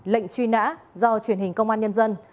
lệnh truy nã do truyền hình công an nhân dân